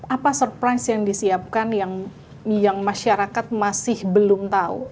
apa surprise yang disiapkan yang masyarakat masih belum tahu